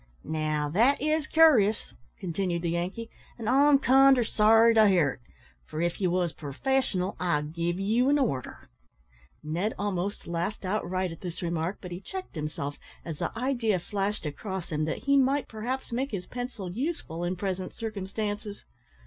"Now, that is cur'ous," continued the Yankee; "an' I'm kinder sorry to hear't, for if ye was purfessional I'd give ye an order." Ned almost laughed outright at this remark, but he checked himself as the idea flashed across him that he might perhaps make his pencil useful in present circumstances.